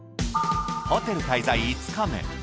ホテル滞在５日目。